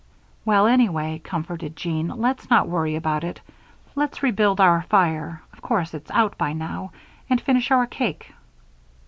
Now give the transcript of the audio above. "Well, anyway," comforted Jean, "let's not worry about it. Let's rebuild our fire of course it's out by now and finish our cake."